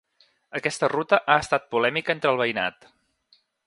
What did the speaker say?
Aquesta ruta ha estat polèmica entre el veïnat.